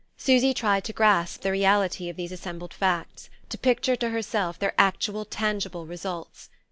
Susy tried to grasp the reality of these assembled facts, to picture to herself their actual tangible results.